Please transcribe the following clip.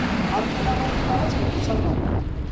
Արգելավայրի տարածքը կուսական է։